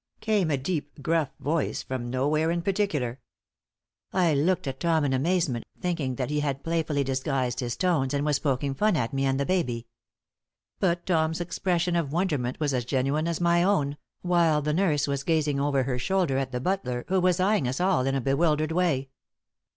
came a deep, gruff voice from nowhere in particular. I looked at Tom in amazement, thinking that he had playfully disguised his tones and was poking fun at me and the baby. But Tom's expression of wonderment was as genuine as my own, while the nurse was gazing over her shoulder at the butler, who was eying us all in a bewildered way.